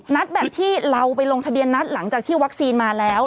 แบบที่เราไปลงทะเบียนนัดหลังจากที่วัคซีนมาแล้ว